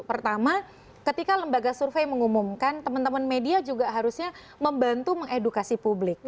pertama ketika lembaga survei mengumumkan teman teman media juga harusnya membantu mengedukasi publik